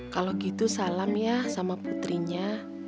kalau gitu salam ya sama putrinya